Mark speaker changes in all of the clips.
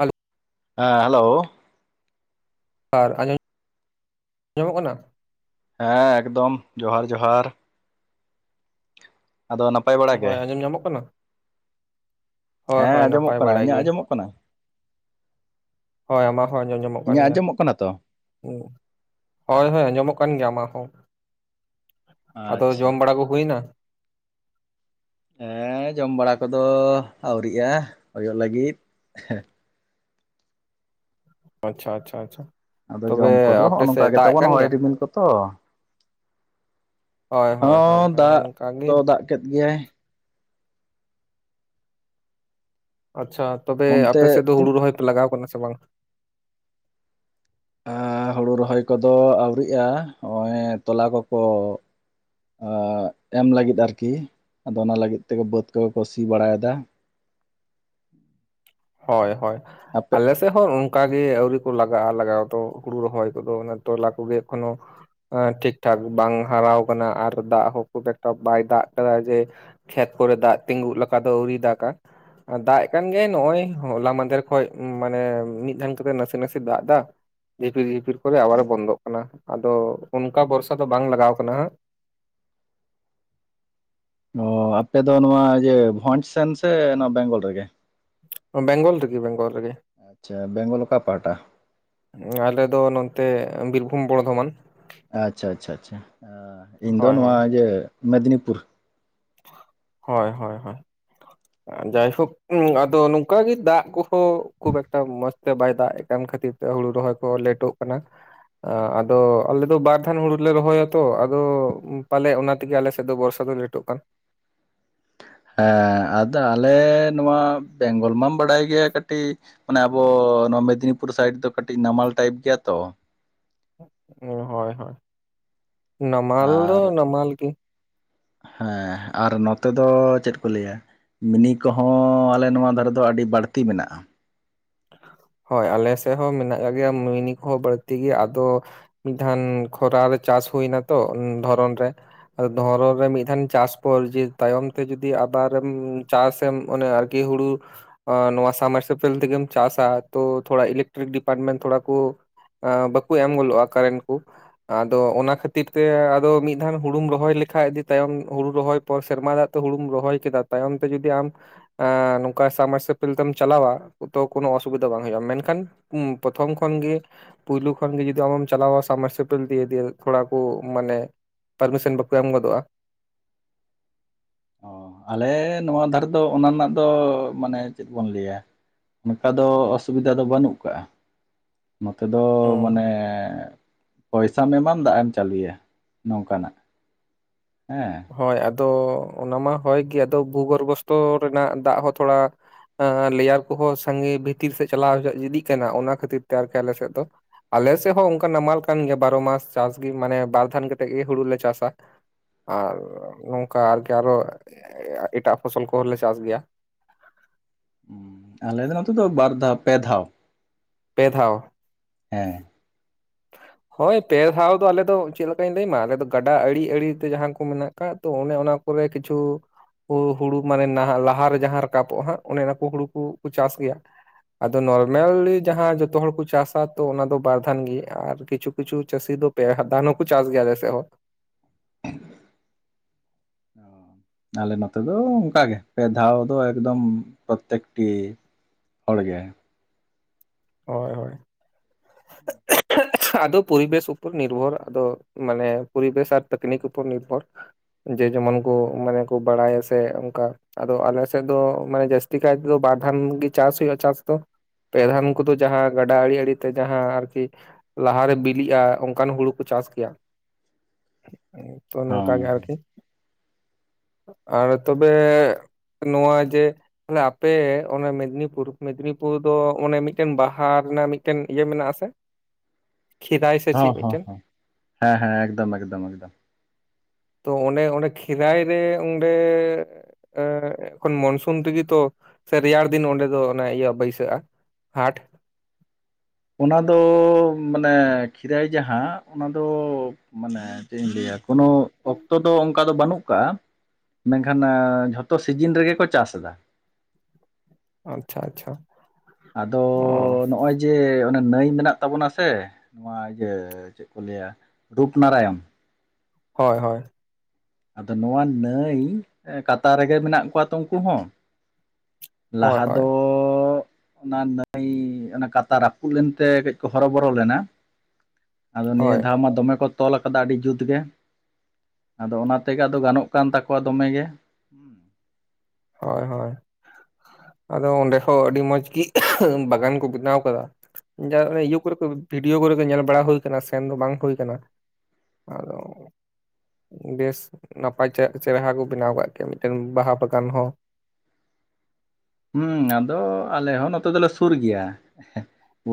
Speaker 1: ᱟᱞᱚ
Speaker 2: ᱦᱮᱸ ᱦᱮᱞᱳ
Speaker 1: ᱟᱨ ᱟᱸᱡᱚᱢ ᱟᱸᱡᱚᱢᱚᱜ ᱠᱟᱱᱟ
Speaker 2: ᱦᱮᱸ ᱮᱠᱫᱚᱢ ᱡᱚᱦᱟᱨ ᱡᱚᱦᱟᱨ ᱟᱫᱚ ᱚᱱᱟ
Speaker 1: ᱦᱳᱭ ᱟᱸᱡᱚᱢ ᱧᱟᱢᱚᱜ ᱠᱟᱱᱟ ᱦᱳᱭ
Speaker 2: ᱦᱮᱸ
Speaker 1: ᱦᱳᱭ
Speaker 2: ᱟᱸᱡᱚᱢᱚᱜ
Speaker 1: ᱱᱟᱯᱟᱭ
Speaker 2: ᱠᱟᱱᱟ
Speaker 1: ᱵᱟᱲᱟᱭ
Speaker 2: ᱤᱧᱟᱹᱜ
Speaker 1: ᱜᱮ᱾
Speaker 2: ᱟᱸᱡᱚᱢᱚᱜ ᱠᱟᱱᱟ
Speaker 1: ᱦᱳᱭ ᱟᱢᱟᱜ ᱦᱚ ᱟᱸᱡᱚᱢ ᱧᱟᱢᱚᱜ ᱠᱟᱱ
Speaker 2: ᱤᱧᱟᱹᱜ
Speaker 1: ᱜᱮᱭᱟ
Speaker 2: ᱟᱸᱡᱚᱢᱚᱜ ᱠᱟᱱᱟ ᱛᱚ
Speaker 1: ᱦᱳᱭ ᱦᱳᱭ ᱟᱸᱡᱚᱢᱚᱜ ᱠᱟᱱ ᱜᱮᱭᱟ ᱟᱢ ᱦᱚᱸ ᱟᱫᱚ
Speaker 2: ᱟᱪᱪᱷᱟ
Speaker 1: ᱡᱚᱢ ᱵᱟᱲᱟ ᱠᱚ ᱦᱩᱭᱱᱟ
Speaker 2: ᱦᱮ ᱡᱚᱢ ᱵᱟᱲᱟ ᱠᱚᱫᱚ ᱟᱹᱣᱨᱤᱜᱼᱟ ᱦᱚᱭᱚᱜ ᱞᱟᱹᱜᱤᱫ
Speaker 1: ᱟᱪᱪᱷᱟ ᱟᱪᱪᱷᱟ ᱟᱪᱪᱷᱟ
Speaker 2: ᱟᱫᱚ
Speaker 1: ᱛᱚᱵᱮ
Speaker 2: ᱡᱚᱢ ᱠᱚᱫᱚ
Speaker 1: ᱟᱯᱮ
Speaker 2: ᱱᱚᱜᱼᱚᱭ
Speaker 1: ᱥᱮᱫ
Speaker 2: ᱱᱚᱝᱠᱟ
Speaker 1: ᱫᱟᱜ ᱮᱜ
Speaker 2: ᱜᱮᱛᱟᱵᱚ
Speaker 1: ᱠᱟᱱ
Speaker 2: ᱱᱚᱜᱼᱚᱭ
Speaker 1: ᱜᱮᱭᱟ?
Speaker 2: ᱰᱤᱢᱤᱞ ᱠᱚᱛᱚ
Speaker 1: ᱦᱳᱭ ᱦᱳᱭ ᱦᱳᱭ
Speaker 2: ᱦᱚᱸ
Speaker 1: ᱦᱳᱭ
Speaker 2: ᱫᱟᱜ
Speaker 1: ᱚᱱᱠᱟ ᱜᱮ
Speaker 2: ᱫᱚ ᱫᱟᱜ ᱠᱮᱫ ᱜᱮᱭᱟᱭ
Speaker 1: ᱟᱪᱪᱷᱟ ᱛᱚᱵᱮ
Speaker 2: ᱚᱱᱛᱮ
Speaker 1: ᱟᱯᱮ ᱥᱮᱫ ᱫᱚ ᱦᱩᱲᱩ ᱨᱚᱦᱚᱭ ᱯᱮ ᱞᱟᱜᱟᱣ ᱠᱟᱱᱟ ᱥᱮ ᱵᱟᱝ
Speaker 2: ᱟᱨ ᱦᱩᱲᱩ ᱨᱚᱦᱚᱭ ᱠᱚᱫᱚ ᱟᱹᱣᱨᱤᱜᱼᱟ ᱱᱚᱜᱼᱚᱭ ᱛᱚᱞᱟ ᱠᱚᱠᱚ ᱮᱢ ᱞᱟᱹᱜᱤᱫ ᱟᱨᱠᱤ ᱟᱫᱚ ᱚᱱᱟ ᱞᱟᱹᱜᱤᱫ ᱛᱮᱜᱮ ᱵᱟᱹᱫᱽ ᱠᱚᱜᱮ ᱠᱚ ᱥᱤ ᱵᱟᱲᱟᱭᱮᱫᱟ
Speaker 1: ᱦᱳᱭ ᱦᱳᱭ
Speaker 2: ᱟᱯᱮ
Speaker 1: ᱟᱞᱮ ᱱᱚᱛᱮ ᱦᱚᱸ ᱚᱱᱠᱟᱜ ᱜᱮ ᱟᱹᱣᱨᱤ ᱠᱚ ᱞᱟᱜᱟᱜᱼᱟ ᱞᱟᱜᱟᱣ ᱫᱚ ᱦᱩᱲᱩ ᱨᱚᱦᱚᱭ ᱠᱚᱫᱚ ᱛᱚᱞᱟ ᱠᱚᱜᱮ ᱮᱠᱷᱚᱱᱚ ᱴᱷᱤᱠ ᱴᱷᱟᱠ ᱵᱟᱝ ᱦᱟᱨᱟᱣ ᱠᱟᱱᱟ ᱟᱨ ᱫᱟᱜ ᱦᱚᱸ ᱠᱷᱩᱵ ᱮᱠᱴᱟ ᱵᱟᱭ ᱫᱟᱜ ᱟᱠᱟᱫᱟ ᱡᱮ ᱠᱷᱮᱛ ᱠᱚᱨᱮ ᱫᱟᱜ ᱛᱤᱸᱜᱩᱜ ᱞᱮᱠᱟ ᱫᱚ ᱟᱣᱨᱤ ᱫᱟᱜᱟ ᱫᱟᱜ ᱠᱟᱱ ᱜᱮᱭ ᱱᱚᱜᱼᱚᱭ ᱦᱚᱞᱟ ᱢᱫᱷᱮᱨ ᱠᱷᱚᱡ ᱢᱟᱱᱮ ᱢᱤᱫ ᱫᱷᱟᱣ ᱠᱟᱛᱮᱜ ᱱᱟᱥᱮ ᱱᱟᱥᱮ ᱫᱟᱜ ᱫᱟ ᱡᱷᱤᱯᱤᱨ ᱡᱷᱤᱯᱤᱨ ᱠᱚᱨᱮ ᱟᱵᱟᱨᱮ ᱵᱚᱱᱫᱚᱜ ᱠᱟᱱᱟ ᱟᱫᱚ ᱚᱱᱠᱟ ᱵᱚᱨᱥᱟ ᱫᱚ ᱵᱟᱝ ᱞᱟᱜᱟᱣ ᱠᱟᱱᱟ ᱦᱟᱸᱜ
Speaker 2: ᱚ ᱟᱯᱮ ᱫᱚ ᱱᱚᱣᱟ ᱤᱭᱟᱹ ᱵᱷᱚᱸᱡᱽ ᱥᱮᱱ ᱥᱮ ᱱᱚᱣᱟ ᱵᱮᱝᱜᱚᱞ ᱨᱮᱜᱮ
Speaker 1: ᱵᱮᱝᱜᱚᱞ ᱨᱮᱜᱮ ᱵᱮᱝᱜᱚᱞ ᱨᱮᱜᱮ
Speaker 2: ᱟᱪᱪᱷᱟ ᱵᱮᱝᱜᱚᱞ ᱚᱠᱟ ᱯᱟᱦᱟᱴᱟ
Speaker 1: ᱟᱞᱮ ᱫᱚ ᱱᱚᱛᱮ ᱵᱤᱨᱵᱷᱩᱢ ᱵᱚᱨᱫᱷᱚᱢᱟᱱ
Speaker 2: ᱟᱪᱪᱷᱟ ᱟᱪᱪᱷᱟ ᱤᱧ ᱫᱚ
Speaker 1: ᱦᱳᱭ
Speaker 2: ᱱᱚᱣᱟ
Speaker 1: ᱦᱳᱭ
Speaker 2: ᱤᱭᱟᱹ ᱢᱮᱫᱽᱱᱤᱯᱩᱨ
Speaker 1: ᱦᱳᱭ ᱦᱳᱭ ᱦᱳᱭ ᱡᱟᱭᱦᱳᱠ ᱟᱫᱚ ᱱᱚᱝᱠᱟ ᱜᱮ ᱫᱟᱜ ᱠᱚ ᱠᱷᱩᱵᱽ ᱮᱠᱴᱟ ᱢᱚᱸᱡᱽᱛᱮ ᱵᱟᱭ ᱫᱟᱜ ᱮ ᱠᱟᱱ ᱠᱷᱟᱹᱛᱤᱨ ᱛᱮ ᱦᱩᱲᱩ ᱨᱚᱦᱚᱭ ᱠᱚ ᱞᱮᱴᱚᱜ ᱠᱟᱱᱟ ᱟᱫᱚ ᱟᱞᱮ ᱫᱚ ᱵᱟᱨᱫᱷᱟᱣ ᱦᱩᱲᱩ ᱞᱮ ᱨᱚᱦᱚᱭ ᱟᱛᱚ ᱟᱫᱚ ᱯᱟᱞᱮ ᱚᱱᱟ ᱛᱮᱜᱮ ᱟᱞᱮ ᱥᱮᱫ ᱫᱚ ᱵᱚᱨᱥᱟ ᱞᱮᱴᱚᱜ ᱠᱟᱱ
Speaker 2: ᱦᱮᱸ ᱟᱫᱚ ᱟᱞᱮ ᱱᱚᱣᱟ ᱵᱮᱝᱜᱚᱞ ᱢᱟᱢ ᱵᱟᱰᱟᱭ ᱜᱮᱭᱟ ᱠᱟᱹᱴᱤᱡ ᱢᱟᱱᱮ ᱟᱵᱚ ᱱᱚᱣᱟ ᱟᱵᱚ ᱟᱵᱚ ᱚᱱᱮ ᱟᱵᱚ ᱢᱮᱫᱽᱱᱤᱯᱩᱨ ᱥᱟᱭᱤᱰ ᱫᱚ ᱠᱟᱹᱴᱤᱡ ᱱᱟᱢᱟᱞ ᱴᱟᱭᱤᱯ ᱜᱮᱭᱟ ᱛᱚ
Speaker 1: ᱦᱳᱭ ᱦᱳᱭ ᱱᱟᱢᱟᱞ ᱫᱚ
Speaker 2: ᱟᱨ
Speaker 1: ᱱᱟᱢᱟᱞ ᱜᱤ
Speaker 2: ᱦᱮᱸ ᱟᱨ ᱱᱚᱛᱮ ᱫᱚ ᱪᱮᱫ ᱠᱚ ᱞᱟᱹᱭᱟ ᱢᱤᱱᱤ ᱠᱚᱦᱚᱸ ᱟᱞᱮ ᱱᱚᱣᱟ ᱫᱷᱟᱨᱮ ᱫᱚ ᱟᱹᱰᱤ ᱵᱟᱹᱲᱛᱤ ᱢᱮᱱᱟᱜᱼᱟ
Speaker 1: ᱦᱳᱭ ᱟᱞᱮ ᱥᱮᱫ ᱦᱚᱸ ᱢᱮᱱᱟᱜ ᱟᱠᱟᱜ ᱜᱮᱭᱟ ᱢᱤᱱᱤ ᱠᱚᱦᱚᱸ ᱵᱟᱹᱲᱛᱤ ᱜᱮᱭᱟ ᱟᱫᱚ ᱢᱤᱫ ᱫᱷᱟᱱ ᱠᱷᱚᱨᱟ ᱨᱮ ᱪᱟᱥ ᱦᱩᱭ ᱮᱱᱟ ᱛᱚ ᱫᱷᱚᱨᱚᱱ ᱨᱮ ᱫᱷᱚᱨᱚᱱ ᱨᱮ ᱢᱤᱫ ᱫᱷᱟᱣ ᱪᱟᱥ ᱯᱚᱨ ᱡᱮ ᱛᱟᱭᱚᱢ ᱛᱮ ᱡᱩᱫᱤ ᱟᱵᱟᱨᱮᱢ ᱪᱟᱥᱮᱢ ᱚᱱᱟ ᱠᱤ ᱦᱩᱲᱩ ᱱᱚᱣᱟ ᱥᱟᱢᱟᱨᱥᱯᱮᱞ ᱛᱮᱜᱮᱢ ᱪᱟᱥᱟᱜ ᱛᱚ ᱛᱷᱚᱲᱟ ᱤᱞᱮᱠᱴᱨᱤᱠ ᱰᱤᱯᱟᱨᱴᱢᱮᱱᱴ ᱛᱷᱚᱲᱟ ᱠᱩ ᱵᱟᱠᱚ ᱮᱢ ᱜᱚᱫᱚᱜᱼᱟ ᱠᱟᱨᱮᱱᱴ ᱠᱩ ᱟᱫᱚ ᱚᱱᱟ ᱠᱷᱟᱛᱤᱨ ᱛᱮ ᱟᱫᱚ ᱢᱤᱫ ᱫᱷᱟᱣ ᱦᱩᱲᱩᱢ ᱨᱚᱦᱚᱭ ᱞᱮᱠᱷᱟᱡ ᱛᱟᱭᱚᱢ ᱦᱩᱲᱩ ᱨᱚᱦᱚᱭ ᱯᱚᱨ ᱥᱮᱨᱢᱟ ᱛᱮ ᱦᱩᱲᱩᱢ ᱨᱚᱦᱚᱭ ᱠᱮᱫᱟ ᱛᱟᱭᱚᱢ ᱛᱮ ᱡᱩᱫᱤ ᱟᱢ ᱱᱚᱝᱠᱟ ᱥᱟᱢᱟᱨᱥᱯᱮᱞ ᱛᱮᱢ ᱪᱟᱞᱟᱣᱟᱚ ᱠᱳᱱᱚ ᱚᱥᱩᱵᱤᱫᱷᱟ ᱫᱚ ᱵᱟᱝ ᱦᱩᱭᱩᱜᱼᱟ ᱢᱮᱱᱠᱷᱟᱱ ᱯᱨᱚᱛᱷᱚᱢ ᱠᱷᱚᱱ ᱜᱤ ᱯᱳᱞᱳ ᱠᱷᱚᱱ ᱜᱮ ᱡᱩᱫᱤ ᱟᱢᱮᱢ ᱪᱟᱞᱟᱣᱟ ᱥᱟᱢᱟᱨᱥᱯᱮᱞ ᱫᱤᱭᱮ ᱫᱮ ᱛᱷᱚᱲᱟ ᱠᱚ ᱢᱟᱱᱮ ᱯᱟᱨᱢᱤᱥᱚᱱ ᱵᱟᱠᱚ ᱮᱢ ᱜᱚᱫᱚᱜᱼᱟ
Speaker 2: ᱟᱞᱮ ᱱᱚᱣᱟ ᱫᱷᱟᱨᱮ ᱫᱚ ᱚᱱᱟ ᱨᱮᱱᱟᱜ ᱫᱚ ᱢᱟᱱᱮ ᱪᱮᱫ ᱵᱚᱱ ᱞᱟᱹᱭᱟ ᱚᱱᱠᱟ ᱫᱚ ᱚᱥᱩᱵᱤᱫᱟ ᱫᱚ ᱵᱟᱹᱱᱩᱜ ᱠᱟᱜᱼᱟ ᱱᱚᱛᱮ ᱫᱚ
Speaker 1: ᱚᱸ
Speaker 2: ᱢᱟᱱᱮ ᱯᱚᱭᱥᱟᱢ ᱮᱟᱢ ᱫᱟᱜ ᱮᱢ ᱪᱟᱹᱞᱩᱭᱟ ᱱᱚᱝᱠᱟᱱᱟᱜ ᱦᱮᱸ
Speaker 1: ᱦᱳᱭ ᱟᱫᱚ ᱚᱱᱟ ᱢᱟ ᱦᱳᱭ ᱜᱮ ᱟᱫᱚ ᱵᱩᱜᱚᱨᱵᱷᱚᱥᱛᱚ ᱨᱮᱱᱟᱜ ᱫᱟᱜ ᱦᱚᱸ ᱛᱷᱚᱲᱟ ᱟᱻᱻᱞᱮᱭᱟᱨ ᱠᱚᱦᱚᱸ ᱥᱟᱸᱜᱮ ᱵᱷᱤᱛᱤᱨ ᱥᱮᱫ ᱪᱟᱞᱟᱣ ᱤᱫᱤᱜ ᱠᱟᱱᱟ ᱚᱱᱟ ᱠᱷᱟᱹᱛᱤᱨ ᱛᱮ ᱟᱨᱠᱤ ᱟᱞᱮ ᱥᱮᱫ ᱫᱚ ᱟᱞᱮ ᱥᱮᱫ ᱦᱚᱸ ᱚᱱᱠᱟ ᱱᱟᱢᱟᱞ ᱠᱟᱱ ᱜᱮᱭᱟ ᱵᱟᱨᱚ ᱢᱟᱥ ᱪᱟᱥ ᱜᱮ ᱢᱟᱱᱮ ᱵᱟᱨ ᱫᱷᱟᱣ ᱠᱟ ᱠᱟᱛᱮᱫ ᱜᱮ ᱦᱩᱲᱩᱞᱮ ᱪᱟᱥᱟ ᱟᱨ ᱱᱚᱝᱠᱟ ᱟᱨᱠᱤ ᱟᱨᱚ ᱮᱴᱟᱜ ᱯᱷᱚᱥᱚᱞ ᱠᱚᱦᱚᱸᱞᱮ ᱪᱟᱥ ᱜᱮᱭᱟ
Speaker 2: ᱟᱞᱮ ᱫᱚ ᱱᱚᱛᱮ ᱫᱚ ᱵᱟᱨ ᱫᱷᱟᱣ ᱯᱮ ᱫᱷᱟᱣ
Speaker 1: ᱯᱮ ᱫᱷᱟᱣ
Speaker 2: ᱦᱮᱸ [inaudible]
Speaker 1: ᱦᱳᱭ ᱯᱮ ᱫᱷᱟᱣ ᱫᱚ ᱟᱞᱮ ᱫᱚ ᱪᱮᱫ ᱞᱮᱠᱟᱧ ᱞᱟᱹᱭ ᱟᱢᱟ ᱟᱞᱮᱫᱚ ᱜᱟᱰᱟ ᱟᱲᱮ ᱟᱲᱮᱛᱮ ᱡᱟᱦᱟᱸ ᱠᱚ ᱢᱮᱱᱟᱜ ᱟᱠᱟᱫ ᱛᱚ ᱚᱱᱮ ᱚᱱᱟ ᱯᱚᱨᱮ ᱠᱤᱪᱷᱩ ᱦᱩᱲᱩ ᱢᱟᱱᱮ ᱱᱟᱦᱟᱜ ᱞᱟᱦᱟᱨᱮ ᱡᱟᱦᱟᱸ ᱨᱟᱠᱟᱵᱚᱜᱼᱟ ᱦᱟᱸᱜ ᱚᱱᱮ ᱚᱱᱟ ᱠᱚ ᱦᱩᱲᱩ ᱠᱚᱠᱚ ᱪᱟᱥ ᱜᱮᱭᱟ ᱟᱫᱚ ᱱᱚᱨᱢᱟᱞᱤ ᱡᱟᱦᱟᱸ ᱡᱚᱛᱚ ᱦᱚᱲ ᱠᱚ ᱪᱟᱥᱟ ᱛᱚ ᱚᱱᱟᱫᱚ ᱵᱟᱨᱫᱷᱟᱱ ᱜᱮ ᱟᱨ ᱠᱤᱪᱷᱩ ᱠᱤᱪᱷᱩ ᱪᱟᱹᱥᱤ ᱫᱚ ᱯᱮ ᱫᱟᱱ ᱦᱚᱸᱠᱚ ᱪᱟᱥ ᱜᱮᱭᱟ ᱟᱞᱮ ᱥᱮ ᱦᱚᱸ
Speaker 2: ᱚ [unintelligible] ᱟᱞᱮ ᱱᱚᱛᱮ ᱫᱚ ᱚᱱᱠᱟ ᱜᱮ ᱯᱮ ᱫᱷᱟᱣ ᱫᱚ ᱮᱠᱫᱚᱢ ᱯᱨᱚᱛᱛᱮᱠᱴᱤ ᱦᱚᱲ ᱜᱮ
Speaker 1: ᱦᱳᱭ ᱦᱳᱭ ᱟᱫᱚ ᱯᱚᱨᱤᱵᱮᱥ ᱩᱯᱚᱨ ᱱᱤᱨᱵᱷᱚᱨ ᱟᱫᱚ ᱢᱟᱱᱮ ᱯᱚᱨᱵᱮᱥ ᱟᱨ ᱴᱮᱠᱱᱤᱠ ᱩᱯᱚᱨ ᱱᱤᱨᱵᱷᱚᱨ ᱡᱮ ᱡᱮᱢᱚᱱ ᱠᱚ ᱢᱟᱱᱮ ᱠᱚ ᱵᱟᱲᱟᱭᱟ ᱥᱮ ᱚᱱᱠᱟ ᱟᱫᱚ ᱟᱞᱮ ᱥᱮᱫ ᱫᱚ ᱢᱟᱱᱮ ᱡᱟᱹᱥᱛᱤ ᱠᱟᱭ ᱛᱮᱫᱚ ᱵᱟᱨ ᱫᱷᱟᱣ ᱜᱮ ᱪᱟᱥ ᱦᱩᱭᱩᱜᱼᱟ ᱪᱟᱥ ᱫᱚ ᱯᱮ ᱫᱷᱟᱱ ᱠᱚᱫᱚ ᱡᱟᱦᱟᱸ ᱜᱟᱰᱟ ᱟᱲᱮ ᱟᱲᱮ ᱛᱮ ᱡᱟᱦᱟᱸ ᱟᱨᱠᱤ ᱞᱟᱦᱟᱨᱮ ᱵᱤᱞᱤᱜᱼᱟ ᱚᱱᱠᱟᱱ ᱦᱩᱲᱩ ᱠᱚ ᱪᱟᱥ ᱜᱮᱭᱟ ᱛᱚ ᱱᱚᱝᱠᱟ
Speaker 2: ᱦᱚᱸ
Speaker 1: ᱜᱮ ᱟᱨᱠᱤ
Speaker 2: [inaudible]
Speaker 1: ᱟᱨ ᱛᱚᱵᱮ ᱱᱚᱣᱟ ᱡᱮ ᱛᱟᱦᱚᱞᱮ ᱟᱯᱮ ᱚᱱᱮ ᱢᱮᱫᱽᱱᱤᱯᱩᱨ ᱢᱮᱫᱽᱱᱤᱯᱩᱨ ᱫᱚ ᱚᱱᱮ ᱢᱤᱫᱴᱮᱱ ᱵᱟᱦᱟ ᱨᱮᱱᱟᱜ ᱢᱤᱫᱴᱮᱱ ᱤᱭᱟᱹ ᱢᱮᱱᱟᱜ ᱟᱥᱮ ᱠᱷᱮᱫᱟᱭ ᱥᱮ ᱪᱮᱫ
Speaker 2: ᱦᱚᱸ
Speaker 1: ᱢᱤᱫᱴᱮᱱ
Speaker 2: ᱦᱚᱸ ᱦᱮᱸ ᱦᱮᱸ ᱮᱠᱫᱚᱢ ᱮᱠᱫᱚᱢ ᱮᱠᱫᱚᱢ
Speaker 1: ᱛᱚ ᱚᱱᱮ ᱚᱸᱰᱮ ᱠᱷᱤᱨᱟᱭ ᱨᱮ ᱚᱸᱰᱮ ᱮᱠᱷᱚᱱ ᱢᱚᱱᱥᱩᱱ ᱛᱮᱜᱮ ᱛᱚ ᱥᱮ ᱨᱮᱭᱟᱲ ᱫᱤᱱ ᱚᱸᱰᱮ ᱫᱚ ᱚᱱ ᱤᱭᱟᱹ ᱵᱟᱹᱭᱥᱟᱹᱜᱼᱟ ᱦᱟᱴ
Speaker 2: ᱚᱱᱟ ᱫᱚ ᱢᱟᱱᱮ ᱠᱷᱤᱨᱟᱭ ᱡᱟᱦᱟᱸ ᱚᱱᱟᱫᱚ ᱢᱟᱱᱮ ᱪᱮᱫ ᱤᱧ ᱞᱟᱹᱭᱟ ᱠᱳᱱᱳ ᱚᱠᱛᱚ ᱫᱚ ᱚᱱᱠᱟ ᱫᱚ ᱵᱟᱹᱱᱩᱜ ᱟᱠᱟᱜ-ᱟ ᱢᱮᱱᱠᱷᱟᱱ ᱡᱷᱚᱛᱚ ᱥᱤᱡᱤᱱ ᱨᱮᱜᱮ ᱠᱚ ᱪᱟᱥ ᱮᱫᱟ
Speaker 1: ᱟᱪᱪᱷᱟ ᱟᱪᱪᱷᱟ
Speaker 2: ᱟᱫᱚ
Speaker 1: ᱚ
Speaker 2: ᱱᱚᱜᱼᱚᱭ ᱡᱮ ᱚᱱᱮ ᱱᱟᱹᱭ ᱢᱮᱱᱟᱜ ᱛᱟᱵᱚᱱᱟ ᱥᱮ ᱱᱚᱣᱟ ᱤᱭᱟᱹ ᱪᱮᱫ ᱠᱚ ᱞᱟᱹᱭᱟ ᱨᱩᱯᱱᱟᱨᱟᱭᱚᱱ
Speaker 1: ᱦᱳᱭ ᱦᱳᱭ
Speaker 2: ᱟᱫᱚ ᱱᱚᱣᱟ ᱱᱟᱹᱭ ᱠᱟᱛᱟ ᱨᱮᱜᱮ ᱢᱮᱱᱟᱜ ᱠᱚᱣᱟ ᱛᱚ ᱩᱱᱠᱩ ᱦᱚᱸ
Speaker 1: ᱦᱳᱭ
Speaker 2: ᱞᱟᱦᱟ
Speaker 1: ᱦᱳᱭ
Speaker 2: ᱫᱚ ᱚᱱᱟ ᱱᱟᱹᱭ ᱚᱱᱟ ᱠᱟᱛᱟ ᱨᱟᱹᱯᱩᱫ ᱞᱮᱱᱛᱮ ᱠᱟᱹᱡ ᱠᱚ ᱦᱚᱨᱚ ᱵᱚᱨᱚ ᱞᱮᱱᱟ ᱟᱫᱚ ᱱᱤᱭᱟᱹ
Speaker 1: ᱦᱳᱭ
Speaker 2: ᱫᱷᱟᱣ ᱢᱟ ᱫᱚᱢᱮ ᱠᱚ ᱛᱚᱞ ᱠᱟᱫᱟ ᱟᱹᱰᱤ ᱡᱩᱛᱜ ᱜᱮ ᱟᱫᱚ ᱚᱱᱟ ᱛᱮᱜᱮ ᱟᱫᱚ ᱜᱟᱱᱚᱜ ᱠᱟᱱ ᱛᱟᱠᱚᱣᱟ ᱫᱚᱢᱮᱜᱮ ᱦᱩᱸ [unintelligible]
Speaker 1: ᱦᱳᱭ ᱦᱳᱭ ᱟᱫᱚ ᱚᱸᱰᱮ ᱦᱚᱸ ᱟᱹᱰᱤ ᱢᱚᱸᱡᱽ ᱜᱤ ᱵᱟᱜᱟᱱ ᱠᱚ ᱵᱮᱱᱟᱣ ᱟᱠᱟᱫᱟ ᱡᱮ ᱤᱭᱩ ᱠᱚᱨᱮ ᱠᱚ ᱵᱷᱤᱰᱭᱳ ᱠᱚᱨᱮ ᱠᱚ ᱧᱮᱞ ᱵᱟᱲᱟ ᱦᱩᱭ ᱟᱠᱟᱱᱟ ᱥᱮᱱ ᱫᱚ ᱵᱟᱝ ᱦᱩᱭ ᱟᱠᱟᱱᱟ ᱟᱫᱚ ᱵᱮᱥ ᱱᱟᱯᱟᱭ ᱪᱮᱨᱦᱟ ᱠᱚ ᱵᱮᱱᱟᱣ ᱠᱟᱜ ᱠᱮᱭᱟ ᱢᱤᱫᱴᱮᱱ ᱵᱟᱦᱟ ᱵᱟᱜᱟᱱ ᱦᱚᱸ
Speaker 2: ᱦᱮᱸ ᱟᱫᱚ ᱟᱞᱮ ᱦᱚᱸ ᱱᱚᱛᱮ ᱫᱚᱞᱮ ᱥᱩᱨ ᱜᱮᱭᱟ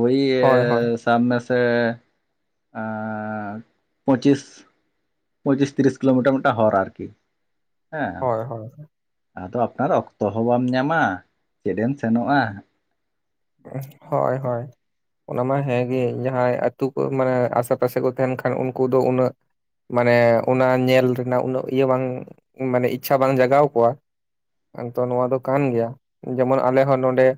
Speaker 2: ᱳᱭ ᱮᱻᱻ
Speaker 1: ᱦᱳᱭ ᱦᱳᱭ
Speaker 2: ᱥᱟᱵ ᱢᱮᱥᱮ ᱮᱻᱻᱯᱚᱸᱪᱤᱥ ᱯᱚᱸᱪᱤᱥ ᱛᱤᱨᱤᱥ ᱠᱤᱞᱳᱢᱤᱴᱟᱨ ᱢᱤᱫᱴᱟᱝ ᱦᱚᱨ ᱟᱨᱠᱤ ᱦᱮᱸ
Speaker 1: ᱦᱳᱭ ᱦᱳᱭ
Speaker 2: ᱟᱫᱚ ᱟᱯᱱᱟᱨ ᱚᱠᱛᱚ ᱦᱚᱸ ᱵᱟᱢ ᱧᱟᱢᱟ ᱪᱮᱫᱮᱢ ᱥᱮᱱᱚᱜᱼᱟ
Speaker 1: [inaudible] ᱦᱳᱭ ᱦᱳᱭ ᱚᱱᱟ ᱢᱟ ᱦᱮᱸ ᱜᱮ ᱡᱟᱦᱟᱸᱭ ᱟᱹᱛᱩ ᱠᱚ ᱢᱟᱱᱮ ᱟᱥᱮᱯᱟᱥᱮ ᱠᱚ ᱛᱟᱦᱮᱱ ᱠᱷᱟᱱ ᱩᱱᱠᱩ ᱫᱚ ᱩᱱᱟᱹᱜ᱾ ᱢᱟᱱᱮ ᱚᱱᱟ ᱧᱮᱞ ᱨᱮᱱᱟᱜ ᱩᱱᱟᱹᱜ ᱤᱭᱟᱹ ᱵᱟᱝ ᱢᱟᱱᱮ ᱤᱪᱪᱷᱟ ᱵᱟᱝ ᱡᱟᱜᱟᱣ ᱠᱚᱣᱟ᱾ [unintelligible] ᱱᱚᱣᱟ ᱫᱚ ᱠᱟᱱ ᱜᱮᱭᱟ ᱡᱮᱢᱚᱱ ᱟᱞᱮ ᱦᱚᱸ ᱱᱚᱰᱮ᱾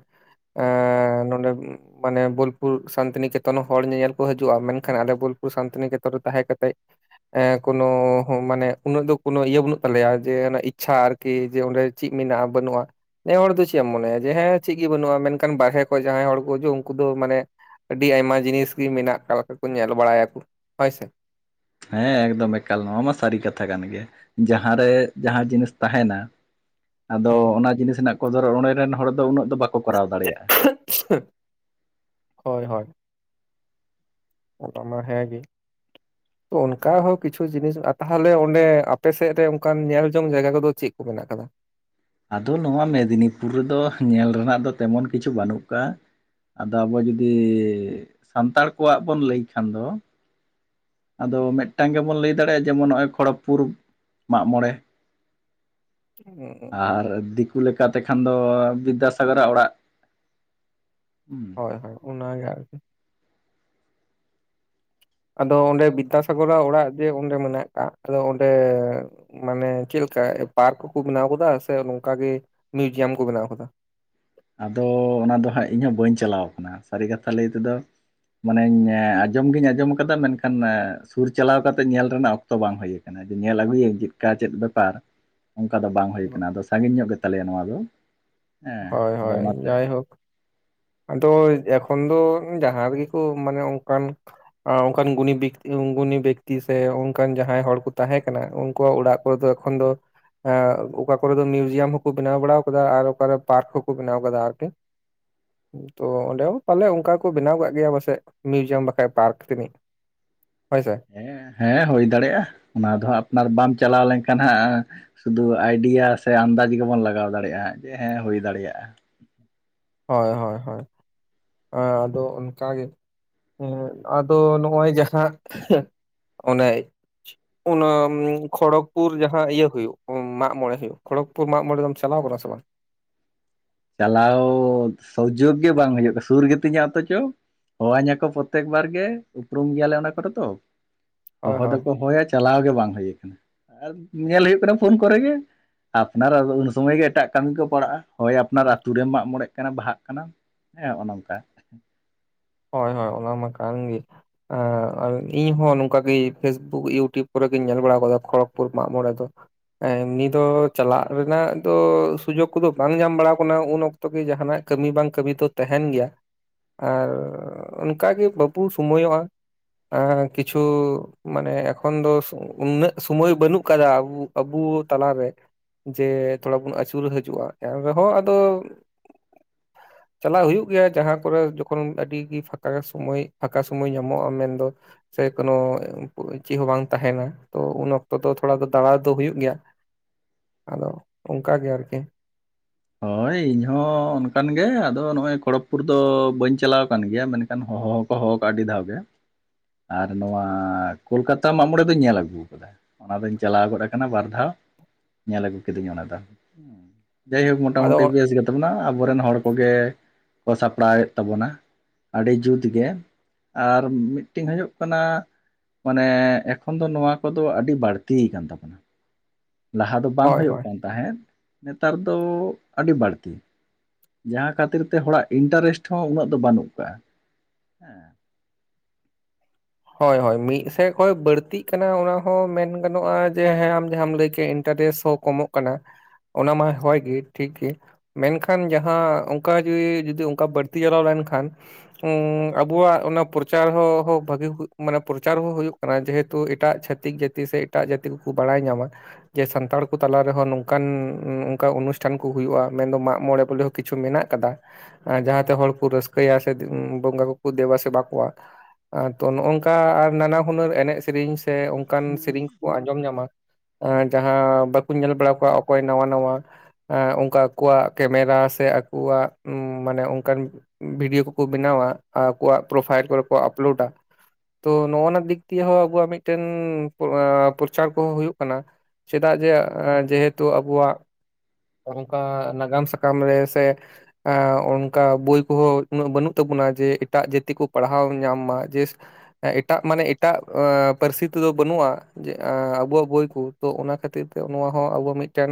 Speaker 2: [inaudible]
Speaker 1: ᱮᱸ ᱱᱚᱰᱮ [inaudible] ᱢᱟᱱᱮ ᱵᱳᱞᱯᱩᱨ ᱥᱟᱱᱛᱤᱱᱤᱠᱮᱛᱚᱱ ᱦᱚᱲ ᱧᱮᱧᱮᱞ ᱠᱚ ᱦᱤᱡᱩᱜᱼᱟ᱾ ᱢᱮᱱᱠᱷᱟᱱ ᱟᱞᱮ ᱵᱳᱞᱯᱩᱨ ᱥᱟᱱᱛᱤᱱᱤᱠᱮᱛᱚᱱ ᱨᱮ ᱛᱟᱦᱮᱸ ᱠᱟᱛᱮᱜ᱾ ᱮ ᱠᱳᱱᱳ ᱢᱟᱱᱮ ᱩᱱᱟᱹᱜ ᱫᱚ ᱠᱳᱱᱳ ᱤᱭᱟᱹ ᱵᱟᱹᱱᱩᱜ ᱛᱟᱞᱮᱭᱟ ᱡᱮ ᱚᱱᱮ ᱤᱪᱪᱷᱟ ᱟᱨᱠᱤ᱾ ᱠᱤ ᱡᱮ ᱚᱸᱰᱮ ᱪᱮᱫ ᱢᱮᱱᱟᱜᱼᱟ ᱵᱟᱹᱱᱩᱜᱼᱟ ᱱᱮ ᱦᱚᱲ ᱫᱚ ᱪᱮᱫ ᱮᱢ ᱢᱚᱱᱮᱭᱟ ᱡᱮ ᱦᱮᱸ ᱪᱮᱫ ᱜᱮ ᱵᱟᱹᱱᱩᱜᱼᱟ ᱢᱮᱱ ᱠᱷᱟᱱ ᱵᱟᱨᱦᱮ ᱠᱷᱚᱡ ᱡᱟᱦᱟᱸᱭ ᱦᱚᱲ ᱠᱚ ᱦᱤᱡᱩᱜ ᱩᱱᱠᱩ ᱫᱚ ᱢᱟᱱᱮ ᱟᱹᱰᱤ ᱟᱭᱢᱟ ᱡᱤᱱᱤᱥ ᱜᱮ ᱢᱮᱱᱟᱜ ᱟᱠᱟᱫ ᱞᱮᱠᱟ ᱠᱚ ᱧᱮᱞ ᱵᱟᱲᱟᱭᱟᱠᱚ ᱦᱳᱭ ᱥᱮ᱾
Speaker 2: ᱦᱮᱸ ᱮᱠᱫᱚᱢ ᱮᱠᱟᱞ ᱱᱚᱣᱟ ᱢᱟ ᱥᱟᱹᱨᱤ ᱠᱟᱛᱷᱟ ᱠᱟᱱ ᱜᱮ᱾ ᱡᱟᱦᱟᱸᱨᱮ ᱡᱟᱦᱟᱸ ᱡᱤᱱᱤᱥ ᱛᱟᱦᱮᱱᱟ᱾ ᱟᱫᱚ
Speaker 1: ᱦᱩᱸ᱾
Speaker 2: ᱚᱱᱟ ᱡᱤᱱᱤᱥ ᱨᱮᱱᱟᱜ ᱠᱚᱫᱚᱨ ᱚᱸᱰᱮ ᱨᱮᱱ ᱦᱚᱲ ᱫᱚ ᱩᱱᱟᱹᱜ ᱫᱚ ᱵᱟᱠᱚ ᱠᱚᱨᱟᱣ ᱫᱟᱲᱮᱭᱟᱜᱼᱟ᱾
Speaker 1: [inaudible] ᱦᱳᱭ ᱦᱳᱭ ᱚᱱᱟ ᱢᱟ ᱦᱮᱸ ᱜᱮ᱾
Speaker 2: [inaudible]
Speaker 1: [inaudible] ᱚᱱᱠᱟ ᱦᱚᱸ ᱠᱤᱪᱷᱩ ᱡᱤᱱᱤᱥ ᱛᱟᱦᱚᱞᱮ ᱚᱸᱰᱮ ᱟᱯᱮᱥᱮᱫ ᱨᱮ ᱚᱱᱠᱟᱱ ᱧᱮᱞ ᱡᱚᱝ ᱡᱟᱭᱜᱟ ᱠᱚᱫᱚ ᱪᱮᱫ ᱠᱚ ᱢᱮᱱᱟᱜ ᱟᱠᱟᱫᱟ?
Speaker 2: ᱟᱫᱚ ᱱᱚᱣᱟ ᱢᱮᱫᱽᱱᱤᱯᱩᱨ ᱨᱮᱫᱚ ᱧᱮᱞ ᱨᱮᱱᱟᱜ ᱫᱚ ᱛᱮᱢᱚᱱ ᱠᱤᱪᱷᱩ ᱵᱟᱹᱱᱩᱜ ᱠᱟᱜᱼᱟ᱾ ᱟᱫᱚ ᱟᱵᱚ ᱡᱩᱫᱤ ᱥᱟᱱᱛᱟᱲ ᱠᱚᱣᱟᱜ ᱵᱚᱱ ᱞᱟᱹᱭ ᱠᱷᱟᱱ ᱫᱚ᱾ ᱟᱫᱚ ᱢᱤᱫᱴᱟᱝ ᱜᱮᱵᱚᱱ ᱞᱟᱹᱭ ᱫᱟᱲᱮᱭᱟᱜᱼᱟ ᱡᱮᱢᱚᱱ ᱱᱚᱜᱼᱚᱭ ᱠᱷᱚᱲᱚᱜᱽᱯᱩᱨ ᱢᱟᱜ ᱢᱚᱬᱮ᱾ ᱟᱨ [inaudible] [inaudible] ᱞᱮᱠᱟᱛᱮ ᱠᱷᱟᱱ ᱫᱚ ᱵᱤᱫᱽᱫᱟᱥᱟᱜᱚᱨᱟᱜ ᱚᱲᱟᱜ ᱾
Speaker 1: ᱦᱚᱭ ᱦᱚᱭ ᱚᱱᱟ ᱜᱮ ᱟᱨᱠᱤ ᱟᱫᱚ ᱚᱸᱰᱮ ᱵᱤᱫᱽᱫᱟᱥᱟᱜᱚᱨᱟᱜ ᱚᱲᱟᱜ ᱡᱮ ᱚᱸᱰᱮ ᱢᱮᱱᱟᱜ ᱠᱟᱫ ᱟᱫᱚ ᱚᱸᱰᱮ᱾ ᱢᱟᱱᱮ ᱪᱮᱫᱮᱠᱟ ᱯᱟᱨᱠ ᱠᱚ ᱠᱚ ᱵᱮᱱᱟᱣ ᱟᱠᱟᱫᱟ ᱥᱮ ᱱᱚᱝᱠᱟᱜᱮ ᱢᱤᱭᱩᱡᱤᱭᱟᱢ ᱠᱚ ᱵᱮᱱᱟᱣ ᱠᱟᱫᱟ᱾
Speaker 2: ᱟᱫᱚ ᱚᱱᱟ ᱫᱚ ᱦᱟᱸᱜ ᱤᱧᱦᱚᱸ ᱵᱟᱹᱧ ᱪᱟᱞᱟᱣ ᱠᱟᱱᱟ ᱥᱟᱹᱨᱤ ᱠᱟᱛᱷᱟ ᱞᱟᱹᱭ ᱛᱮᱫᱚ ᱢᱟᱱᱮᱧ ᱟᱸᱡᱚᱢᱜᱤᱧ ᱟᱸᱡᱚᱢ ᱟᱠᱟᱫᱟ ᱢᱮᱱᱠᱷᱟᱱ ᱥᱩᱨ ᱪᱟᱞᱟᱣ ᱠᱟᱛᱮᱜ ᱧᱮᱞ ᱨᱮᱱᱟᱜ ᱚᱠᱛᱚ ᱵᱟᱝ ᱦᱩᱭ ᱟᱠᱟᱱᱟ᱾ ᱧᱮᱞ ᱟᱹᱜᱩᱭᱟᱹᱧ ᱪᱮᱫᱠᱟ ᱪᱮᱫ ᱵᱮᱯᱟᱨ ᱚᱱᱠᱟ ᱫᱚ ᱵᱟᱝ ᱦᱩᱭ ᱠᱟᱱᱟ ᱟᱫᱚ ᱥᱟᱺᱜᱤᱧ ᱧᱚᱜ ᱜᱮᱛᱟᱞᱮᱭᱟ ᱱᱚᱣᱟ ᱫᱚ᱾ ᱦᱮᱸ
Speaker 1: ᱦᱳᱭ
Speaker 2: ᱟᱫᱚ
Speaker 1: ᱦᱳᱭ
Speaker 2: ᱚᱱᱟᱛᱮ
Speaker 1: ᱡᱟᱭ ᱦᱳᱠ᱾ ᱟᱫᱚ ᱮᱠᱷᱚᱱ ᱫᱚ ᱡᱟᱦᱟᱸ ᱨᱮᱜᱮ ᱠᱚ ᱢᱟᱱᱮ ᱚᱱᱠᱟᱱ᱾ ᱟᱨ ᱚᱱᱠᱟᱱ ᱜᱩᱱᱤ ᱵᱮᱠᱛᱤ ᱜᱩᱱᱤ ᱵᱮᱠᱛᱤ ᱥᱮ ᱚᱱᱠᱟᱱ ᱡᱟᱦᱟᱸᱭ ᱦᱚᱲ ᱠᱚ ᱛᱟᱦᱮᱸ ᱠᱟᱱᱟ ᱩᱱᱠᱩᱣᱟᱜ ᱚᱲᱟᱜ᱾ ᱠᱩ ᱫᱚ ᱮᱠᱷᱚᱱ ᱫᱚ᱾ ᱚᱠᱟ ᱠᱚᱨᱮ ᱫᱚ ᱢᱤᱭᱩᱡᱤᱭᱟᱢ ᱦᱚᱸᱠᱚ ᱵᱮᱱᱟᱣ ᱵᱟᱲᱟ ᱟᱠᱟᱫᱟ ᱟᱨ ᱚᱠᱟ ᱨᱮ ᱯᱟᱨᱠ ᱦᱚᱠᱚ ᱵᱮᱱᱟᱣ ᱟᱠᱟᱫᱟ᱾ ᱟᱨᱠᱤ, ᱛᱚ ᱚᱸᱰᱮ ᱦᱚᱸ ᱯᱟᱞᱮ ᱚᱱᱠᱟ ᱠᱚ ᱵᱮᱱᱟᱣ ᱠᱟᱜ ᱜᱮᱭᱟ ᱯᱟᱥᱮᱡ ᱢᱤᱭᱩᱡᱤᱭᱟᱢ ᱵᱟᱠᱷᱟᱡ ᱯᱟᱨᱠ ᱛᱤᱱᱤᱹᱡ᱾ ᱦᱳᱭ ᱥᱮ ᱾
Speaker 2: ᱦᱮᱸ ᱦᱮᱸ ᱦᱩᱭ ᱫᱟᱲᱮᱭᱟᱜᱼᱟ ᱚᱱᱟ ᱫᱚ ᱦᱟᱸᱜ ᱟᱯᱱᱟᱨ ᱵᱟᱢ ᱪᱟᱞᱟᱣ ᱞᱮᱱᱠᱷᱟᱱ ᱦᱟᱸᱜ᱾ ᱥᱩᱫᱩ ᱟᱭᱰᱤᱭᱟ ᱥᱮ ᱟᱱᱫᱟᱡ ᱜᱮᱵᱚᱱ ᱞᱟᱜᱟᱣ ᱫᱟᱲᱮᱭᱟᱜᱼᱟ ᱡᱮ ᱦᱮᱸ ᱦᱩᱭ ᱫᱟᱲᱮᱭᱟᱜᱼᱟ᱾
Speaker 1: ᱦᱳᱭ ᱦᱳᱭ ᱦᱳᱭ ᱟᱫᱚ ᱚᱱᱠᱟ ᱜᱮ ᱾ ᱦᱮᱸ ᱟᱫᱚ ᱱᱚᱜᱼᱚᱭ ᱡᱟᱦᱟᱸ ᱚᱱᱮ ᱾ ᱚᱱᱟ ᱠᱷᱚᱲᱚᱠᱽᱯᱩᱨ ᱡᱟᱦᱟᱸ ᱤᱭᱟᱹ ᱦᱩᱭᱩᱜ ᱢᱟᱜ ᱢᱚᱬᱮ ᱦᱩᱭᱩᱜ, ᱠᱷᱚᱲᱚᱜᱯᱩᱨ ᱢᱟᱜ ᱢᱚᱬᱮ ᱫᱚᱢ ᱪᱟᱞᱟᱣ ᱠᱟᱱᱟ ᱥᱮ ᱵᱟᱝ?
Speaker 2: ᱪᱟᱞᱟᱣ ᱥᱩᱡᱳᱜᱽ ᱜᱮ ᱵᱟᱝ ᱦᱩᱭᱩᱜ ᱠᱟᱱᱟ, ᱥᱩᱨ ᱜᱮᱛᱤᱧᱟ ᱚᱛᱚᱪᱚ᱾ ᱦᱚᱦᱚᱧᱟ ᱠᱚ ᱯᱨᱚᱛᱛᱮᱠ ᱵᱟᱨ ᱜᱮ ᱩᱯᱨᱩᱢ ᱜᱮᱭᱟᱞᱮ ᱚᱱᱟ ᱠᱚᱨᱮ ᱛᱚ᱾
Speaker 1: ᱦᱳᱭ
Speaker 2: ᱦᱚᱦᱚ
Speaker 1: ᱦᱳᱭ
Speaker 2: ᱫᱚᱠᱚ ᱦᱚᱦᱚᱭᱟ ᱪᱟᱞᱟᱣ ᱜᱮ ᱵᱟᱝ ᱦᱩᱭ ᱟᱠᱟᱱᱟ, ᱟᱨ ᱧᱮᱞ ᱦᱩᱭᱩᱜ ᱠᱟᱱᱟ ᱯᱷᱳᱱ ᱠᱚᱨᱮ ᱜᱮ᱾ ᱟᱯᱱᱟᱨᱫᱚ ᱩᱱ ᱥᱚᱢᱚᱭ ᱜᱮ ᱮᱴᱟᱜ ᱠᱟᱹᱢᱤ ᱠᱚ ᱯᱟᱲᱟᱜᱼᱟ᱾ ᱦᱳᱭ ᱟᱯᱱᱟᱨ ᱟᱛᱳ ᱨᱮᱢ ᱢᱟᱜ ᱢᱚᱬᱮᱜ ᱠᱟᱱᱟ ᱵᱟᱦᱟᱜ ᱠᱟᱱᱟᱢ ᱦᱮᱸ ᱱᱚᱝᱠᱟ᱾
Speaker 1: ᱦᱳᱭ ᱦᱳᱭ ᱚᱱᱟ ᱢᱟ ᱠᱟᱱ ᱜᱮ ᱾ ᱟᱨ ᱤᱧᱦᱚᱸ ᱱᱚᱝᱠᱟᱜᱮ ᱯᱷᱮᱥᱵᱩᱠ ᱤᱭᱩᱴᱩᱵᱽ ᱠᱚᱨᱮ ᱜᱤᱧ ᱧᱮᱞ ᱵᱟᱲᱟ ᱟᱠᱟᱫᱟ ᱠᱷᱚᱲᱚᱜᱽᱯᱩᱨ ᱢᱟᱜ ᱢᱚᱬᱮ ᱫᱚ᱾ ᱮᱢᱱᱤ ᱫᱚ ᱪᱟᱞᱟᱜ ᱨᱮᱱᱟᱜ ᱫᱚ ᱥᱩᱡᱳᱜ ᱠᱚᱫᱚ ᱵᱟᱝ ᱧᱟᱢ ᱵᱟᱲᱟ ᱠᱟᱱᱟ ᱩᱱ ᱚᱠᱛᱚ᱾ ᱛᱚᱵᱮ ᱡᱟᱦᱟᱱᱟᱜ ᱠᱟᱹᱢᱤ ᱵᱟᱝ ᱠᱟᱹᱢᱤ ᱫᱚ ᱛᱟᱦᱮᱱ ᱜᱮᱭᱟ ᱟᱨ ᱚᱱᱠᱟᱜᱮ ᱵᱟᱵᱚ ᱥᱚᱢᱚᱭᱚᱜᱼᱟ ᱠᱤᱪᱷᱩ ᱢᱟᱱᱮ ᱮᱠᱷᱚᱱ ᱫᱚ ᱩᱱᱟᱹᱜ ᱥᱩᱢᱚᱭ ᱵᱟᱹᱱᱩᱜ ᱟᱠᱟᱫᱟ ᱟᱵᱚ ᱛᱟᱞᱟᱨᱮ ᱡᱮ ᱛᱷᱚᱲᱟ ᱵᱚᱱ ᱟᱹᱪᱩᱨ ᱦᱤᱡᱩᱜᱼᱟ, ᱮᱱ ᱨᱮᱦᱚᱸ ᱟᱫᱚ ᱪᱟᱞᱟᱣ ᱦᱩᱭᱩᱜ ᱜᱮᱭᱟ ᱡᱟᱦᱟᱸ ᱠᱚᱨᱮ ᱡᱚᱠᱷᱚᱱ ᱟᱹᱰᱤ ᱯᱷᱟᱸᱠᱟ ᱥᱚᱢᱚᱭ ᱯᱷᱟᱸᱠᱟ ᱥᱚᱢᱚᱭ ᱧᱟᱢᱚᱜᱼᱟ ᱢᱮᱱᱫᱚ ᱥᱮ ᱠᱳᱚᱱᱚ ᱪᱮᱫ ᱦᱚᱸ ᱵᱟᱝ ᱛᱟᱦᱮᱱᱟ ᱛᱚ ᱩᱱ ᱚᱠᱛᱚ ᱫᱚ ᱛᱷᱚᱲᱟ ᱫᱚ ᱫᱟᱲᱟ ᱫᱚ ᱦᱩᱭᱩᱜᱭ ᱜᱮᱭᱟ ᱾
Speaker 2: [inaudible]
Speaker 1: ᱟᱫᱚ ᱚᱱᱠᱟ ᱜᱮ ᱟᱨᱠᱤ
Speaker 2: ᱦᱳᱭ ᱤᱧ ᱦᱚᱸ ᱚᱱᱠᱟᱱ ᱜᱮ ᱟᱫᱚ ᱱᱚᱜᱼᱚᱭ ᱠᱷᱚᱲᱚᱜᱽᱯᱩᱨ ᱫᱚ ᱵᱟᱹᱧ ᱪᱟᱞᱟᱣ ᱟᱠᱟᱱ ᱜᱮᱭᱟ ᱢᱮᱱᱟᱱ ᱾ ᱦᱚᱦᱚ ᱠᱚ ᱦᱚᱦᱚ ᱟᱰᱤ ᱫᱷᱟᱣ ᱜᱮ ᱟᱨ ᱱᱚᱣᱟ ᱠᱳᱞᱠᱟᱛᱟ ᱢᱟᱜ ᱢᱚᱬᱮ ᱫᱚᱧ ᱧᱮᱞ ᱟᱹᱜᱩ ᱟᱠᱟᱫᱟ ᱾ ᱚᱱᱟ ᱫᱩᱧ ᱪᱟᱞᱟᱣ ᱜᱚᱫ ᱟᱠᱟᱱᱟ ᱵᱟᱨ ᱫᱷᱟᱣ ᱧᱮᱞ ᱟᱹᱜᱩ ᱠᱤᱫᱟᱹᱧ ᱚᱱᱟ ᱫᱚ ᱦ ᱡᱟᱭᱦᱳᱠ
Speaker 1: ᱟᱫᱚ
Speaker 2: ᱢᱳᱚᱴᱟᱢᱩᱴᱤ ᱵᱮᱥ ᱜᱮᱛᱟᱵᱚᱱᱟ ᱟᱵᱚᱨᱮᱱ ᱦᱚᱲ ᱠᱚᱜᱮ ᱠᱚ ᱥᱟᱯᱲᱟᱣᱮᱫ ᱛᱟᱵᱚᱱᱟ᱾ ᱟᱹᱰᱤ ᱡᱩᱛᱜᱮ ᱟᱨ ᱢᱤᱫᱴᱮᱱ ᱦᱩᱭᱩᱜ ᱠᱟᱱᱟ ᱢᱟᱱᱮ ᱮᱠᱷᱚᱱ ᱫᱚ ᱱᱚᱣᱟ ᱠᱚᱫᱚ ᱟᱹᱰᱤ ᱵᱟᱹᱲᱛ ᱠᱟᱱ ᱛᱟᱵᱚᱱᱟ ᱾ ᱞᱟᱦᱟ ᱫᱚ ᱵᱟᱝ
Speaker 1: ᱦᱳᱭ
Speaker 2: ᱦᱩᱭᱩᱜ
Speaker 1: ᱦᱳᱭ
Speaker 2: ᱠᱟᱱ ᱛᱟᱦᱮᱸᱫ ᱱᱮᱛᱟᱨ ᱫᱚ ᱟᱹᱰᱤ ᱵᱟᱹᱲᱛᱤ ᱡᱟᱦᱟᱸ ᱠᱷᱟᱹᱛᱤᱨ ᱛᱮ ᱦᱚᱲᱟᱜ ᱤᱱᱴᱟᱨᱮᱥᱴ ᱦᱚᱸ ᱩᱱᱟᱹᱜ ᱫᱚ ᱵᱟᱹᱱᱩᱜ ᱠᱟᱜᱼᱟ ᱦᱮᱸ
Speaker 1: ᱦᱳᱭ ᱦᱳᱭ ᱢᱤᱫ ᱥᱮᱫ ᱠᱷᱚᱱᱚᱡ ᱵᱟᱹᱲᱛᱤᱜ ᱠᱟᱱᱟ ᱚᱱᱟ ᱦᱚᱸ ᱢᱮᱱ ᱜᱟᱱᱚᱜᱼᱟ ᱡᱮ ᱦᱮᱸ ᱟᱢ ᱡᱟᱦᱟᱸᱢ ᱞᱟᱹᱭ ᱠᱮᱜ ᱤᱱᱴᱟᱨᱮᱥᱴ ᱦᱳᱠ ᱠᱚᱢᱚᱜ ᱠᱟᱱᱟ ᱚᱱᱟ ᱢᱟ ᱦᱚᱭᱜᱮ ᱴᱷᱤᱠ ᱜᱮ ᱢᱮᱱᱠᱷᱟᱱ ᱡᱟᱦᱟᱸ ᱚᱱᱠᱟ ᱜᱤ ᱡᱯᱩᱫᱤ ᱚᱱᱠᱟ ᱵᱟᱹᱲᱛᱤ ᱪᱟᱞᱟᱣ ᱞᱮᱱᱠᱷᱟᱱ ᱟᱵᱚᱣᱟᱜ ᱚᱱᱟ ᱯᱨᱚᱪᱟᱨ ᱦᱚᱸ ᱵᱷᱟᱹᱜᱤ ᱢᱟᱱᱮ ᱯᱨᱚᱪᱟᱨ ᱦᱚᱸ ᱦᱩᱭᱩᱜ ᱠᱟᱱᱟ ᱡᱮᱦᱮᱛᱩ ᱮᱴᱟᱜ ᱪᱷᱟᱹᱛᱤᱠ ᱡᱟᱹᱛᱤ ᱥᱮ ᱮᱴᱟᱜ ᱡᱟᱹᱛᱤ ᱠᱚᱠᱚ ᱵᱟᱲᱟᱭ ᱧᱟᱢᱟ ᱡᱮ ᱥᱟᱱᱛᱟᱲ ᱠᱚ ᱛᱟᱞᱟ ᱨᱮᱦᱚᱸ ᱱᱚᱝᱠᱟᱱ ᱝᱠᱟᱟᱱ ᱚᱱᱩᱥᱴᱷᱟᱱ ᱠᱚ ᱦᱳᱭᱳᱼᱟ ᱢᱮᱱᱫᱚ ᱢᱟᱜ ᱢᱚᱬᱮ ᱵᱚᱞᱮ ᱠᱤᱪᱷᱩ ᱢᱮᱱᱟᱜ ᱟᱠᱟᱫᱟ ᱡᱟᱸᱦᱟᱛᱮ ᱦᱚᱲ ᱠᱚ ᱨᱟᱹᱥᱠᱟᱹᱭᱟ ᱥᱮ ᱵᱚᱸᱜᱟ ᱠᱚᱠᱚ ᱫᱮᱵᱟ ᱥᱮᱮᱵᱟ ᱠᱚᱣᱟ ᱛᱚ ᱱᱚᱜᱝᱠᱟ ᱱᱟᱱᱟ ᱦᱩᱱᱟᱹᱨ ᱮᱱᱮᱡ ᱥᱮᱹᱨᱮᱧ ᱥᱮ ᱚᱱᱠᱟᱱ ᱥᱮᱨᱮᱧ ᱠᱚᱠᱚ ᱟᱸᱡᱚᱢ ᱧᱟᱢᱟ ᱡᱟᱦᱟᱸ ᱵᱟᱠᱚ ᱧᱮᱞ ᱵᱟᱲᱟ ᱠᱚᱣᱟ ᱚᱠᱚᱭ ᱱᱟᱶᱟ ᱱᱟᱶᱟ ᱚᱱᱠᱟ ᱟᱠᱚᱣᱟᱜ ᱠᱮᱢᱮᱨᱟ ᱥᱮ ᱟᱠᱚᱣᱟᱜ ᱢᱟᱱᱮ ᱚᱱᱠᱟᱱ ᱵᱷᱤᱰᱭᱳ ᱠᱚᱠᱚ ᱵᱮᱱᱟᱣᱟ ᱟᱨ ᱟᱠᱚᱣᱟᱜ ᱯᱨᱚᱯᱷᱟᱭᱤᱞ ᱠᱚᱨᱮ ᱠᱚ ᱟᱯᱞᱳᱰᱟ ᱛᱚ ᱱᱚᱜᱼᱚᱱᱟ ᱫᱤᱠ ᱫᱤᱭᱮᱦᱚ ᱟᱵᱚᱣᱟᱜ ᱢᱤᱫᱴᱮᱱ ᱯᱨᱚᱪᱟᱨ ᱠᱚᱦᱚᱸ ᱦᱩᱭᱩᱜ ᱠᱟᱱᱟ ᱪᱮᱫᱟᱜ ᱡᱮ ᱡᱮᱦᱮᱛᱩ ᱟᱵᱚᱣᱟᱜ ᱚᱱᱠᱟ ᱱᱟᱜᱟᱢ ᱥᱟᱠᱟᱢ ᱨᱮ ᱥᱮ ᱮ ᱚᱱᱠᱟ ᱵᱳᱭ ᱠᱚᱸᱦᱚᱸ ᱩᱱᱟᱹᱜ ᱵᱟᱹᱱᱩᱜ ᱛᱟᱵᱚᱱᱟ ᱡᱮ ᱮᱴᱟᱜ ᱡᱟᱹᱛᱤ ᱠᱚ ᱯᱟᱲᱦᱟᱣ ᱧᱟᱢ ᱢᱟ ᱡᱮ ᱮᱴᱟᱜ ᱢᱟᱱᱮ ᱮᱴᱟᱜ ᱯᱟᱹᱨᱥᱤ ᱛᱮᱫᱚ ᱵᱟᱹᱱᱩᱜᱼᱟ ᱾ ᱡᱮ ᱟᱵᱩᱣᱟᱜ ᱵᱳᱭ ᱠᱚ ᱛᱚ ᱚᱱᱟ ᱠᱷᱟᱹᱛᱤᱨ ᱛᱮ ᱱᱚᱣᱟ ᱦᱚᱸ ᱟᱵᱚ ᱢᱤᱫᱴᱮᱱ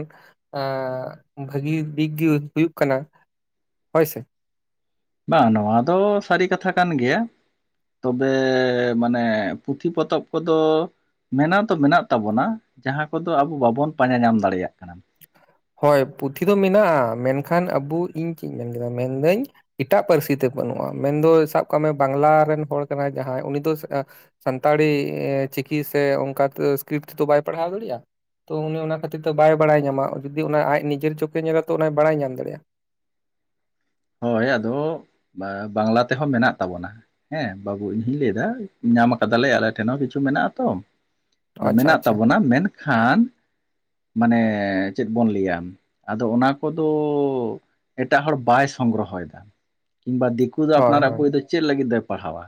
Speaker 1: ᱵᱷᱟᱹᱜᱤ ᱫᱤᱠᱜᱮ ᱦᱩᱭᱩᱜ ᱠᱟᱱᱟ ᱦᱳᱭᱥᱮ
Speaker 2: ᱵᱟᱝ ᱱᱚᱣᱟ ᱫᱚ ᱥᱟᱹᱨᱤ ᱠᱟᱛᱷᱟ ᱠᱟᱱ ᱜᱮᱭᱟ ᱾ ᱛᱚᱵᱮ ᱢᱟᱱᱮ ᱯᱩᱛᱷᱤ ᱯᱚᱛᱚᱵᱽ ᱠᱚᱫᱚ ᱢᱮᱱᱱᱟᱣ ᱫᱚ ᱢᱮᱱᱟᱜ ᱛᱟᱵᱚᱱᱟ ᱡᱟᱦᱟᱸ ᱠᱚᱫᱚ ᱟᱵᱚ ᱵᱟᱵᱚᱱ ᱯᱟᱸᱡᱟ ᱧᱟᱢ ᱫᱟᱲᱮᱭᱟᱜ ᱠᱟᱱᱟ᱾
Speaker 1: ᱦᱳᱭ ᱯᱩᱛᱷᱤ ᱫᱚ ᱢᱮᱱᱟᱜᱼᱟ ᱢᱮᱱᱠᱷᱟᱱ ᱟᱵᱚ ᱤᱧ ᱪᱮᱫ ᱤᱧ ᱢᱮᱱ ᱠᱮᱫᱟ ᱢᱮᱱᱫᱟᱹᱧ ᱮᱴᱟᱜ ᱯᱟᱹᱨᱥᱤᱛᱮ ᱵᱟᱹᱱᱩᱜᱼᱟ ᱢᱮᱱᱫᱚ ᱥᱟᱵ ᱠᱟᱜ ᱢᱮ ᱵᱟᱝᱞᱟ ᱨᱮᱱ ᱦᱚᱲ ᱠᱟᱱᱟᱭ ᱡᱟᱦᱟᱸᱭ ᱩᱱᱤ ᱫᱚ ᱥᱟᱱᱛᱟᱲᱤ ᱪᱤᱠᱤ ᱥᱮ ᱚᱱᱠᱟ ᱥᱠᱨᱤᱯᱴ ᱛᱮᱫᱚ ᱵᱟᱭ ᱯᱟᱲᱦᱟᱣ ᱫᱟᱲᱮᱭᱟᱜᱼᱟ ᱛᱚ ᱩᱱᱤ ᱚᱱᱟ ᱠᱷᱟᱹᱛᱤᱨ ᱛᱮ ᱵᱟᱭ ᱵᱟᱲᱟᱭ ᱧᱟᱢᱟ ᱡᱩᱫᱤ ᱚᱱᱟ ᱟᱡ ᱱᱤᱡᱮᱨ ᱪᱚᱠᱠᱮ ᱧᱮᱞᱟ ᱛᱚ ᱚᱱᱟᱭ ᱵᱟᱲᱟᱭ ᱧᱟᱢ ᱫᱟᱲᱮᱭᱟᱜᱼᱟ
Speaker 2: ᱦᱳᱭ ᱟᱫᱚ ᱵᱟᱝᱞᱟ ᱛᱮᱦᱚᱸ ᱢᱮᱱᱟᱜ ᱛᱟᱵᱚᱱᱟ ᱦᱮᱸ ᱵᱟᱹᱵᱩ ᱤᱧᱦᱩᱧ ᱞᱟᱹᱭ ᱮᱫᱟ ᱧᱟᱢ ᱟᱠᱟᱫᱟᱞᱮ ᱟᱞᱮ ᱴᱷᱮᱱ ᱦᱚᱸ ᱠᱤᱪᱷᱩ ᱢᱮᱱᱟᱜᱛᱚ ᱟᱫᱚ
Speaker 1: ᱟᱪᱪᱷᱟ
Speaker 2: ᱢᱮᱱᱟᱜ
Speaker 1: ᱟᱪᱪᱷᱟ
Speaker 2: ᱛᱟᱵᱚᱱᱟ ᱢᱮᱱᱠᱷᱟᱱ ᱢᱟᱱᱮ ᱪᱮᱫ ᱵᱚᱱ ᱞᱟᱹᱭᱟ ᱟᱫᱚ ᱚᱱᱟ ᱠᱚᱫᱚ ᱮᱴᱟᱜ ᱦᱚᱲ ᱵᱟᱭ ᱥᱚᱝᱜᱨᱚᱦᱚᱭᱮᱫᱟ ᱠᱤᱢᱵᱟ ᱫᱤᱠᱩ ᱫᱚ
Speaker 1: ᱦᱳᱭ
Speaker 2: ᱟᱯᱱᱟᱨᱟᱜ
Speaker 1: ᱦᱳᱭ
Speaker 2: ᱵᱚᱭᱭ ᱫᱚ ᱪᱮᱫ ᱞᱟᱹᱜᱤᱫ ᱫᱚᱭ ᱯᱟᱲᱦᱟᱣᱟ